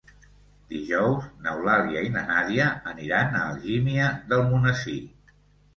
Dijous n'Eulàlia i na Nàdia aniran a Algímia d'Almonesir.